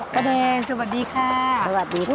ป้าแดงสวัสดีค่ะสวัสดีค่ะ